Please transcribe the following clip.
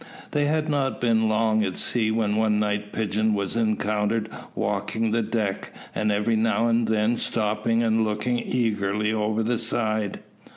They had not been long at sea when one night Pigeon was encountered walking the deck, and every now and then stopping and looking eagerly over the side.